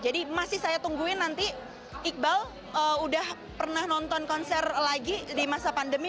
jadi masih saya tungguin nanti iqbal udah pernah nonton konser lagi di masa pandemi